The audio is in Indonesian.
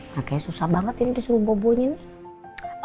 makanya susah banget ini disuruh bobo nya nih